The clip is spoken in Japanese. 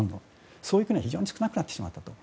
そういう国は非常に少なくなってしまったと。